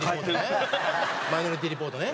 『マイノリティ・リポート』ね。